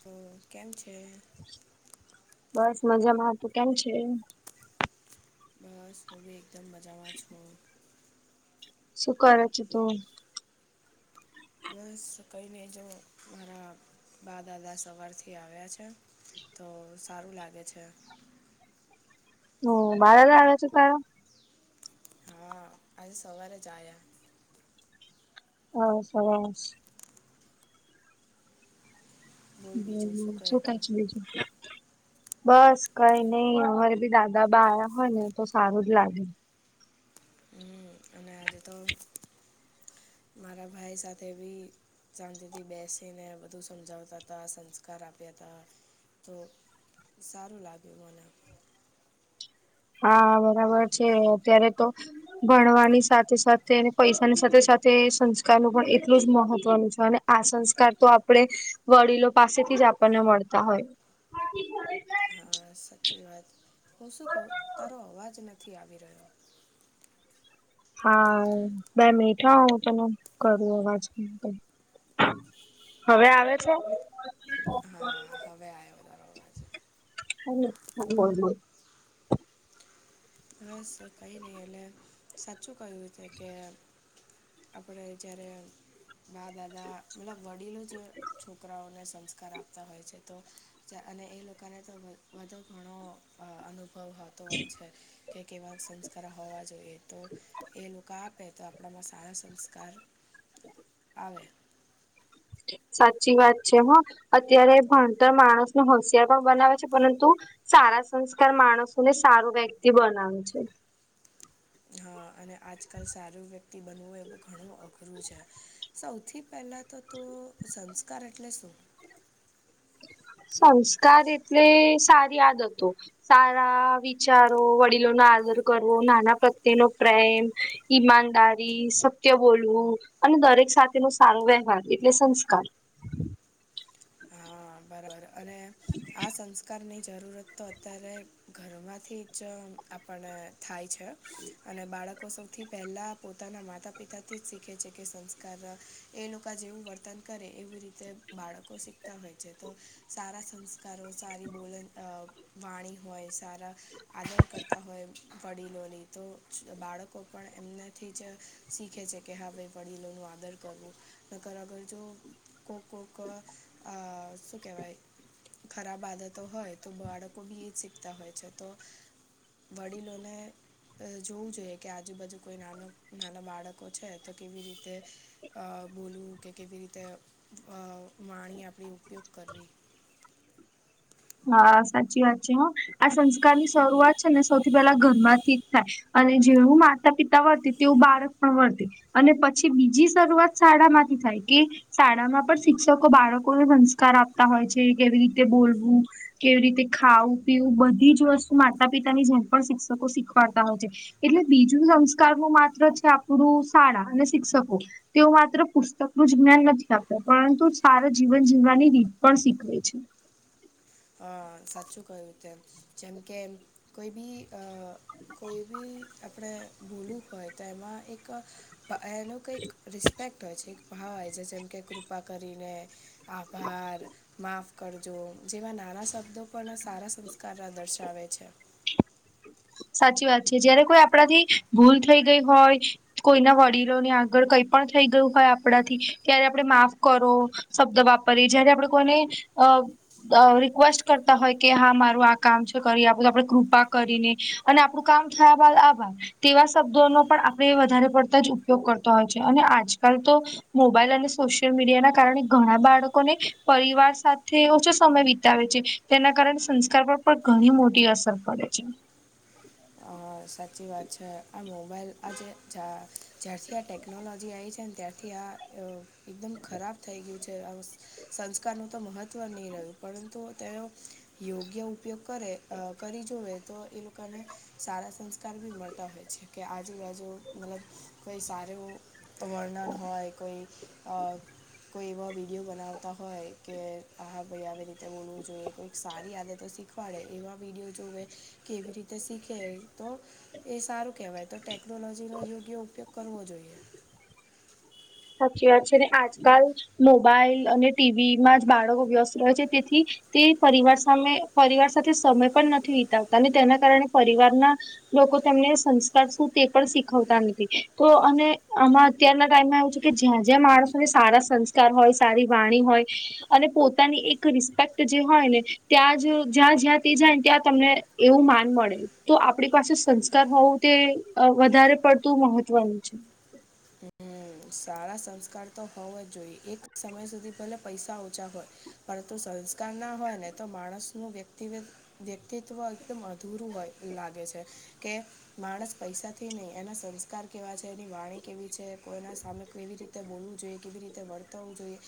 તો કેમ છે? બસ મજામાં. તું કેમ છે? બસ હું ભી એકદમ મજામા છું. શું કરે છે તું? બસ કઈ નઈ જો મારા બા દાદા સવારથી આવ્યા છે, તો સારું લાગે છે. ઓ બા દાદા આવ્યા છે તારા? હા, આજે સવારે જ આયા. હવ સરસ. બોલ બીજું શું હમ્મ કહે છું કે તું છે બીજું? બસ કઈ નઈ અમારે બી દાદા બા આયા હોય ને તો સારું જ લાગે. હમ્મ અને આજે તો મારા ભાઈ સાથે બી શાંતિથી બેસીને બધુ સમજાવતા તા, સંસ્કાર આપ્યા તા તો સારું લાગ્યું મને. હા બરાબર છે અત્યારે તો ભણવાની સાથે સાથે પૈસાની સાથે સાથે સંસ્કારનું પણ એટલું જ મહત્વનુ છે, અને આ સંસ્કાર તો આપણે વડીલો પાસેથી જ આપણને મળતા હોય. હા સાચી વાત હું શું કહું તારો અવાજ નથી આવી રહ્યો. હા બે મીઠા હોું તોને કરું અવાજમા હવે આવે છે. હા હવે આવ્યો દારવાજ હો બસ કઈ નહિ એટલે સાચુ કહ્યુ છે, કે આપણે જારે બા દાદા મતલબ વડીલો જ છોકરાઓને સંસ્કાર આપતા હોય છે તો અને એ લોકોને તો બો ઘણો અનુભવતો હોય છે. કે કેવા સંસ્કાર હોવા જોઈએ તો એ લોકો આપે તો આપણામાં સારા સંસ્કાર આવે સાચી વાત છે હા અત્યારે ભણતર માણસ ન હોશિયાર પણ બનાવે છે, પરંતુ સારા સંસ્કાર માણસોને સારું વ્યક્તિ બનાવે છે. હા અને આજકાલ સારુ વ્યક્તિ બનવું હોય એવ ઘણું અઘરું છે. સૌથી પહેલા તો તો સંસ્કાર એટલે શુ સંસ્કાર એટલે સારી આદતો સારા વિચારો વડીલો ન આદર કરવો નાના પ્રત્યે નો પ્રેમ ઈમાનદારી સત્ય બોલવું અને દરેક સાથે ન સાંગ વ્યવહાર એટલે સંસ્કાર હા બરાબર અને આ સંસ્કારની જરૂરત તો અત્યારે ઘરોમાંથી જ આપણ થાય છે. અને બાળકો સૌથી પહેલા પોતાના માતા પિતાથી જ શીખે છે, કે સંસ્કાર એ લોકો જેવું વર્તન કરે એવી રીતે બાળકો શીખતા હોય. તો સારા સંસ્કારો સારી બોલન વાણી હોય, સારા આદર કરતા હોય. વડીલોની તો બાળકો પણ એમનાથી જ શીખે છે કે હા ભાઈ વડીલોનું આદર ર આગળ જો કો કોક શું કહેવાય ખરાબ આદતો હોય તો બાળકો બી એ જ શીખતા હોય છે, તો વડીલોલે જોવું જોઈએ કે આજુબાજુ કોઈ નાનું નાના બાળકો છે, તો કેવી રીતે બોલવું કે કેવી રીતે વાણી આપણી ઉપયોગ કરવી હા સાચી વાત છે હા આ સંસ્કાર ની શરૂઆત છે ને સૌથી પહેલા ઘરમાંથી જ થાય. અને જેવું માતા પિતા વર્તી તેવું બાળક પણ વર્ત અને પછી બીજી શરૂઆત શાળામાંથી થાય કે શાળામાં પણ શિક્ષકો બાળકોને સંસ્કાર આપતા હોય છે, કેવી રીતે બોલવુ કેવી રીતે ખાવું પીવું બધી જ વસ્તુ માતા પિતાની જેમ પણ શિક્ષકો શીખવાડતા હોય છે. એટલે બીજું સંસ્કારમાં માત્ર છે, આપણું શાળા અને શિક્ષકો તેઓ માત્ર પુસ્તકનુંું જ જ્ઞાન નથી આપતા પરંતુ સારા જીવન જીવવાની રીત પણ શીખવે છે. અ સાચું કહ્યુ તેમ જેમ કે કોઈ બી કોઈ બી આપણે ભૂલવું હોય તો એમાં એક એનો કંઈક રિસ્પેક્ટ હોય છે, એક ભાવ હોય છે જેમ કે કૃપા કરીને આભાર માાફ કરજો જેવા નાના શબ્દો પણ સારા સંસ્કાર દર્શાવે છે. સાચી વાત છે જયારે કોઈ આપણા થી ભૂલ થઈ ગઈ હોય. કોઈના વડીલોની આગળ કઈ પણ થઈ ગયુ હોય, આપણાથી ત્યારે આપણે માફ કરો શબ્દ વાપરીએ જયારે આપડે કોને અ રિક્વેસ્ટ કરતા હોય કે હા મારું આ કામ છે, કરી આ બધું આપણે કૃપા કરીને અને આપડું કામ થયા બાદ આભાર તેવા શબ્દોનો પણ આપણે વધારે પડતા જ ઉપયોગ કરતા હોય છે અને આજકાલ તો મોબાઈલ અને સોશિયલ મીડિયાના કારણે ઘણા બાળકોને પરિવાર સાથે ઓછો સમય વિતાવે છે તેના કારણે સંસ્કાર પર પણ ઘણી મોટી અસર પડે છે અ, સાચી વાત છે આ મોબાઈલ આજે જ્યારથી આ ટેકનોલોજી આવી છે ને ત્યારથી આ એકદમ ખરાબ થઈ ગયું છે સંસ્કારનું તો મહત્ત્વ ની રહ્યું પરંતુ તેનો યોગ્ય ઉપયોગ કરે કરી જોવે તો એ લોકોને સારા સંસ્કાર ભી મળતા હોય છે કે આજુબાજુ મતલબ કોઈ સારું વર્ણન હોય કોઈ અ કોઈ એવા વિડીયો બનાવતા હોય કે આ ભાઈ આવી રીતે બોલવું જોઈએ કોઈ સારી આદતો શીખ પાડે એવા વિડીયો જોવે એ કેવી રીતે શીખે તો એ સારું કેવાય તો ટેકનોલોજીનો યોગ્ય ઉપયોગ કરવો જોઈએ. સાચી વાત છે ને આજ કાલ મોબાઈલ અને ટી વી માં જ બાળકો વ્યસ્ત રહે છે તેથી તે પરિવાર સાથે પરિવાર સાથે સમય પણ નથી વિતાવતા અને તેના કારણે પરિવારના લોકો તેમને સંસ્કાર શું તે પણ શીખવતા નથી તો અને આમાં અત્યારના ટાઈમમાં આવું છે કે જ્યાં જ્યાં માણસોને સારા સંસ્કાર હોય સારી વાણી હોય અને પોતાની એક રિસ્પેક્ટ જે હોય ને ત્યાં જ જ્યાં જ્યાં તે જાય ને ત્યાં તમને એવું માન મળે તો આપણી પાસે સંસ્કાર હોવું તે વધારે પડતું મહત્વનું છે. [inaudible] સારા સંસ્કાર તો હોવ જ જોઈએ એક સમય સુધી પેલા પૈસા ઓછા હોય પરંતુ સંસ્કાર ના હોયને તો માણસનું વ્યક્તિ વ્યક્તિત્વ એકદમ અધૂરું હોય લાગે છે કે માણસ પૈસાથી નહીં એના સંસ્કાર કેવા છે એની વાણી કેવી છે કોઈના સામે કેવી રીતે બોલવું જોઈએ કેવી રીતે વર્તવવું જોઈએ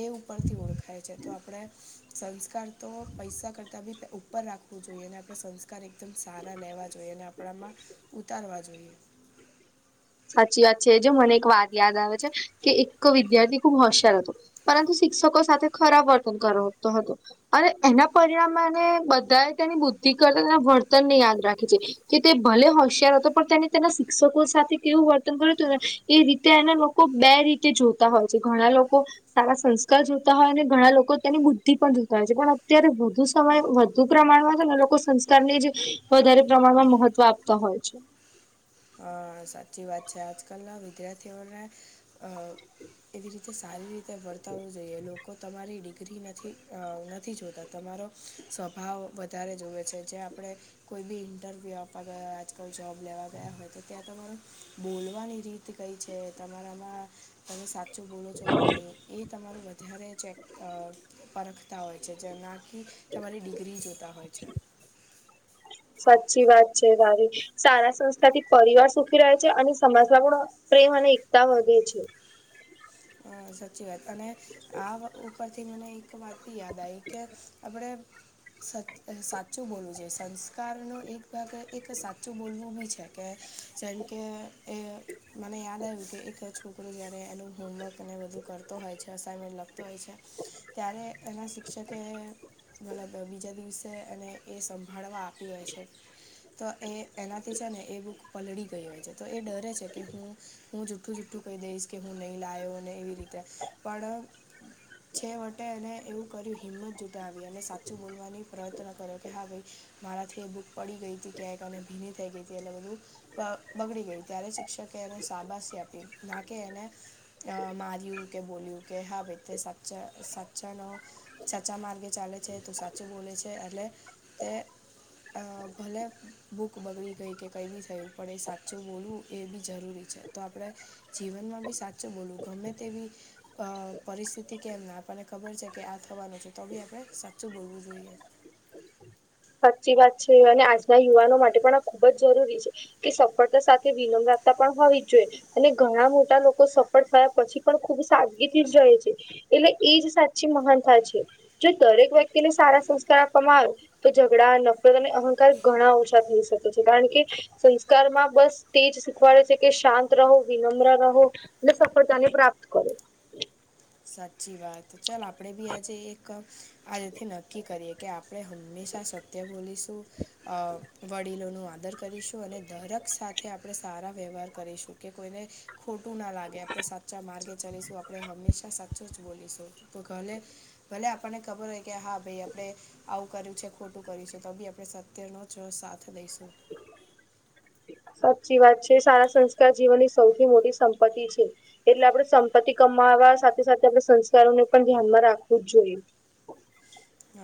એ ઉપરથી ઓળખાય છે તો આપણે સંસ્કાર તો પૈસા કરતાં બી ઉપર રાખવું જોઈએ અને આપણે સંસ્ કાર એકદમ સારા લેવા જોઈએ અને આપણામાં ઉતારવા જોઈએ. સાચી વાત છે એ જે મને એક વાત યાદ આવે છે કે એક વિદ્યાર્થી ખુબ હોશિયાર હતો પરંતુ શિક્ષકો સાથે ખરાબ વર્તન કરતો હતો અને એના પરિણામેને બધાએ તેની બુદ્ધિ કરતા તેના વર્તનને યાદ રાખે છે કે તે ભલે હોશિયાર હતો પણ તેને તેના શિક્ષકો સાથે કેવું વર્તન કર્યું હતું ને એ રીતે એના લોકો બે રીતે જોતા હોય છે ઘણા લોકો સારા સંસ્કાર જોતા હોય અને ઘણા લોકો તેની બુદ્ધિ પણ જોતા હોય છે પણ અત્યારે વધુ સમય વધુ પ્રમાણમાં તો લોકો સંસ્કારની જ વધારે પ્રમાણમાં મહત્વ આપતા હોય છે અ સાચી વાત છે આજ કાલના વિદ્યાર્થીઓ ને એવી રીતે સારી રીતે વર્તાવવું જોઈએ લોકો લોકો તમારી ડિગ્રી નથી નથી જોતા તમારો સ્વભાવ વધારે જોવે છે. જે આપણે કોઈ બી ઇન્ટરવ્યુ આપવા ગયા આજ કાલ જોબ લેવા ગયા હોય તો ત્યાં તમારે બોલવાની રીત કઈ છે તમારામાં તમે સાચું બોલો છો કે નઈ એ તમારું વધારે ચેક પરખતા હોય છે જેમાંથી તમારી ડિગ્રી જોતા હોય છે. સાચી વાત છે તારી સારા સંસ્થાથી પરિવાર સુખી રહે છે અને સમાજમાં પણ પ્રેમ અને એકતા વધે છે. હ સાચી વાત અને આ વ પરથી મને એક વાત ની યાદ આવી કે આપણે સાચું બોલવું જોઈએ સંસ્કાર નો એક ભાગ એક સાચું બોલવું બી છે કે જેમકે એ મને યાદ આવ્યું કે એક છોકરો જ્યારે એનું હોમવર્ક એને બધું કરતો હોય છે અસાઇનમેન્ટ લખતો હોય છે ત્યારે એના શિક્ષકે મતલબ બીજા દિવસે એને એ સંભાળવા આપ્યું હોય છે તો એ એનાથી છે ને એ બુક પલળી ગઈ હોય છે તો એ ડરે છે કે હું હું જુઠુંઠ્ઠું કહી દઈશ કે હું નહીં લાયયો એવી રીતે પણ છે વટે એને એવું કર્યું હિંમત જુટાવી અને સાચું બોલવાની પ્રયત્ન કર્યો કે હા ભાઈ મારાથી એ બુક પડી ગઈ હતી ક્યાંયકને ભીની થઈ ગઈ હતી એટલે બધું બગડી ગયું ત્યારે શિક્ષકે એને શાબાાસી આપી ના કે એને અ માર્યું કે બોલ્યું કે હા બેાઈટ સચ સચનો સાચા માર્ગે ચાલે છે તો સાચું બોલે છે એટલે તે અ ભલે બુક બગડી ગઈ કે કઈ બી થયું પડે સાચું બોલવું એ બી જરૂરી છે તો આપણે જીવનમાં બી સાચ બોલું ગમે તેવી પરિસ્થિતિ કેમ ના આપણને ખબર છે કે આ થવાનું છે તો આપણે સાચુ બોલવું જોઈએ સાચી વાત છે અને આજના યુવાનો માટે પણ આ ખુબ જ જરૂરી છે કે સફળતા સાથે વિનમ રાખતા પણ હોવી જ જોઈએ અને ઘણા મોટા લોકો સફળ થયા પછી પણ ખુબ સાદગી થી જ જ રહે છે એટલે એજ સાચી મહાનતા છે જો દરેક વ્યક્તિને સારા સંસ્કાર આપવામાં આવે તો ઝઘડા નફરત અને અહંકાર ઘણા ઓછા થઈ શકે છે કારણ કે સંસ્કારમાં બસ તેજ શીખવાડે છે કે શાંત રહો વિનમ્ર રહો અને સફળતા ને પ્રાપ્ત કરો સાચી વાત તો ચાલ આપણે બી આજે એક આજથી નક્કી કરીએ કે આપણે હંમેશા સત્ય બોલીશું અ વડીલો ન આદર કરીશું અને દરક સાથે આપણે સારા વ્યવહાર કરીશું કે કોઈને ખોટું ના લાગે આપણે સાચા માર્ગે ચલીશું આપણે હંમેશા સાચું જ બોલીશું તો ઘલે ભલે આપણને ખબર હોય કે હા ભાઈ આપણે આવું કર્યું છે ખોટું કર્યું છે તો બી આપે તેનો છ સાથ દઈશું સાચી વાત છે સારા સંસ્કાર જીવનની સૌથી મોટી સંપત્તિ છે એટલે આપણે સંપત્તિ કમાવા સાથે સાથે આપ સંસ્કારોને પણ ધ્યાનમાં રાખવું જ જોઈએ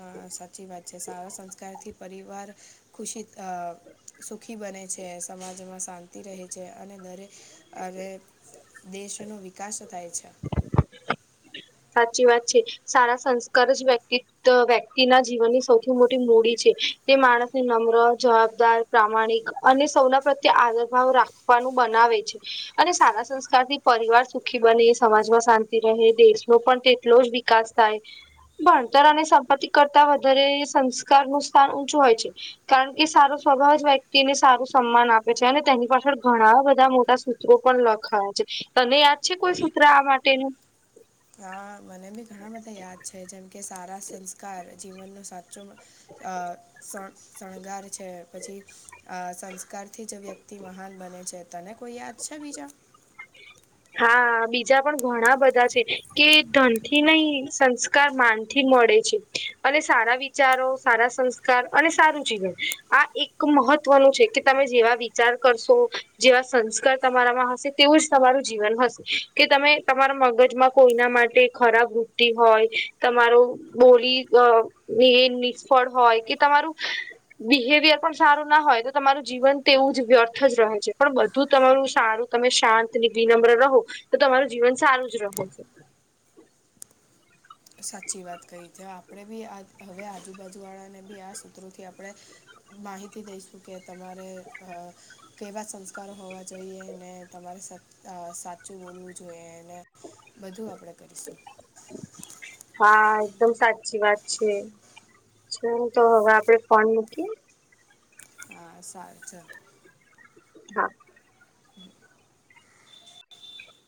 અ સાચી વાત છે સારા સંસ્કારથી પરિવાર ખુશી સુખી બને છે સમાજમાં શાંતિ રહે છે અને દરેક અને દેશનો વિકાસ થાય છે સાચી વાત છે સારા સંસ્કાર જ વ્યક્તિ વ્યક્તિના જીવનની સૌથી મોટી મૂડી છે તે માણસને નમ્ર જવાબદાર પ્રામાણિક અને સૌના પ્રત્યે આદર ભાવ રાખવાનું બનાવે છે અને સારા સંસ્કાર થી પરિવાર સુખી બને સમાજમાં શાંતિ રહે દેશ નો પણ તે એટલો જ વિકાસ થાય ભણતર અને સંપત્તિ કરતા વધારે સંસ્કાર નું સ્થાન ઊંચું હોય છે કારણ કે સારો સ્વભાવ જ વ્યક્તિને સારું સન્માન આપે છે અને તેની પાછળ ઘણા બધા મોટા સૂ પણ લખાયા છે તને યાદ છે કોઈ સૂત્ર આ માટેનું હા મને બી ઘણા બધા યાદ છે જેમ કે સારા સંસ્કાર જીવનનો સાચો અ શ કાકશણગાર છે પછી સંસ્કારથી જ વ્યક્તિ મહાન બને છે તને કોઈ યાદ છે બીજા [inaudible] હા બીજા પણ ઘણા બધા છે કે ધનથી નહી સંસ્કાર માન થી મળે છે અને સારા વિચારો સારા સંસ્કાર અને સારું જીવન આ એક મહત્વનું છે કે તમે જેવા વિચાર કરશો જેવા સંસ્કાર તમારામાં હશે તેવું જ તમારું જીવન હશે કે તમે તમારા મગજમાં કોઈના માટે ખરાબ વૃત્ધતિ હોય તમારો બોલી નિષ્ફળ હોય કે તમારું બિહેવિયર પણ સારું ના હોય તો તમારું જીવન તેવું જ વ્યર્થ જ રહે છે પણ બધું તમારું સારું તમે શાંત ને વિિનમ્ર રહો તો તમારું જીવન સારું જ રહો સાચી વાત કહી છે આપણે બી આ હવે આજુબાજુવાળાને બી આ સૂત્રોથી આપણે માહિતી દઈશું કે તમારે કેવા સંસ્કારો હોવા જોઈએ ને તમારે અ સાચું બોલવું જોઈએ અને બધું આપણેે કરીશું હા એકદમ સાચી વાત છે. [unintelligible] તો હવે આપડે ફોન મૂકીએ? હ સારું ચલો. હા